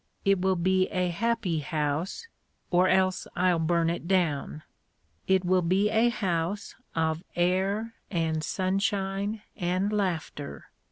It will be a happy house or else I'll burn it down. It will be a house of air and sunshine and laughter.